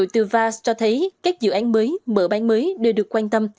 từ vars cho thấy các dự án mới mở bán mới đều được quan tâm